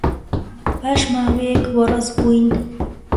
پاش ماوەیەک وەڕەس بووین.